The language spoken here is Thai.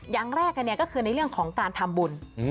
อย่างแรกก็คือในเรื่องของการทำบุญ